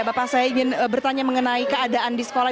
bapak saya ingin bertanya mengenai keadaan di sekolah